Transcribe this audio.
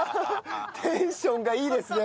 テンションがいいですね